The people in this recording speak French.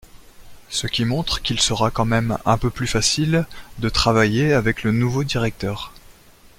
Ce qui montre qu’il sera quand même un peu plus facile de travailler avec le nouveau directeur.